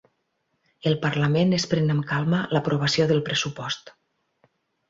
El parlament es pren amb calma l'aprovació del pressupost